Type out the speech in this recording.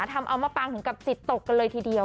ทำเอามะปางถึงกับจิตตกกันเลยทีเดียว